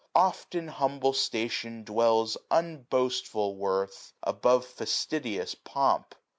Oft in humble station dwells Unboastful worth, above fastidious pomp.